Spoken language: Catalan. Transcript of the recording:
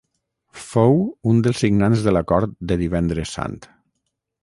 Fou un dels signants de l’Acord de Divendres Sant.